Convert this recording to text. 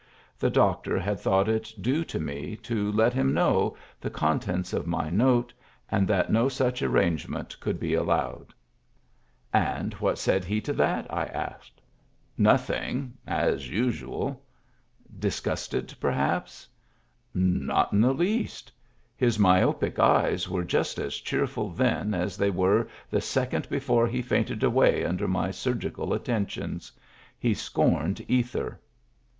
The doc tor had thought it due to me to let him know the contents of my note, and that no such arrange ment could be allowed. Digitized by Google I70 MEMBERS OF THE FAMILY " And what said he to that? " I asked. " Nothing, as usual." " Disgusted, perhaps ?"" Not in the least. His myopic eyes were just as cheerful then as they were the second be fore he fainted away under my surgical attentions. He scorned ether."